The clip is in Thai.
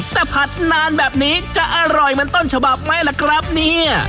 แต่ผัดนานแบบนี้จะอร่อยเหมือนต้นฉบับไหมล่ะครับเนี่ย